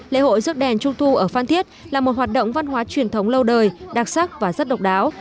lễ hội rước đèn trung thu ở phan thiết là một hoạt động văn hóa truyền thống lâu đời đặc sắc và rất độc đáo